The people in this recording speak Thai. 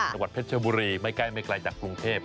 สวัสดิ์เพชรบุรีไม่ใกล้จากกรุงเทพฯ